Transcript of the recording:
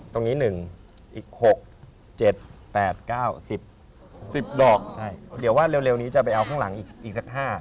ตรงนี้๑อีก๖๗๘๙๑๐ดอกเดี๋ยวว่าเร็วนี้จะไปเอาข้างหลังอีกสัก๕